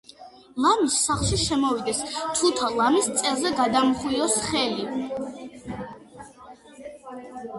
ლამის სახლში შემოვიდეს თუთა ლამის წელზე გადამხვიოს ხელი